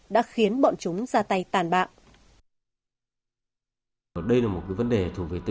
đã khiến bọn chúng giết người